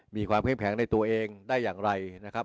มีความเข้มแข็งในตัวเองได้อย่างไรนะครับ